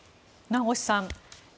名越さん